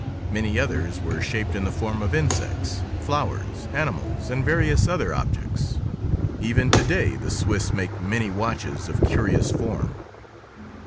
Many others were shaped in the form of insects, flowers, animals, and various other objects. Even to day the Swiss make many watches of curious form.